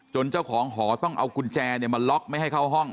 เจ้าของหอต้องเอากุญแจมาล็อกไม่ให้เข้าห้อง